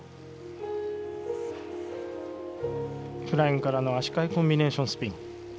フライングからの足換えコンビネーションスピン。